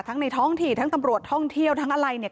ทั้งในท้องที่ทั้งตำรวจท่องเที่ยวทั้งอะไรเนี่ย